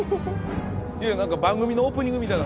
何か番組のオープニングみたいになってる。